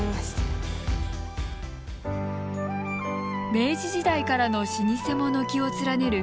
明治時代からの老舗も軒を連ねる